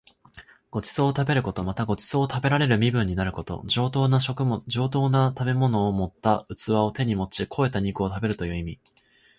ご馳走を食べること。また、ご馳走を食べられる身分になること。上等な食物を盛った器を手に持ち肥えた肉を食べるという意味。